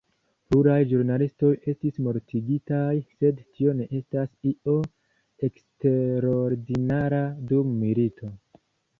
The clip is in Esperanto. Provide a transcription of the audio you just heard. Pluraj ĵurnalistoj estis mortigitaj, sed tio ne estas io eksterordinara dum milito.